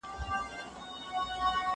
گوندي وي چي ټول کارونه دي پر لار سي